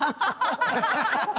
ハハハハハ！